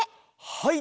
はい。